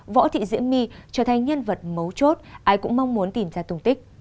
võ thị diễm my trở thành nhân vật mấu chốt ai cũng mong muốn tìm ra tung tích